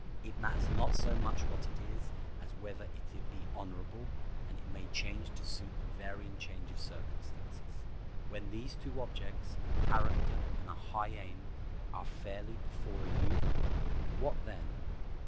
It matters not so much what it is as whether it be honorable, and it may change to suit the varying change of circumstances. When these two objects—character and a high aim—are fairly before a youth, what then?